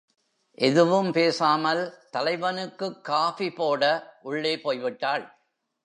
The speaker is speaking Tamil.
எதுவும் பேசாமல் தலைவனுக்குக் காபி போட உள்ளே போய்விட்டாள்.